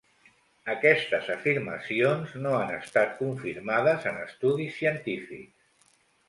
Aquestes afirmacions no han estat confirmades en estudis científics.